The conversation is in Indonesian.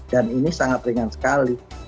dan ini sangat ringan sekali